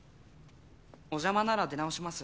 お邪魔なら出直します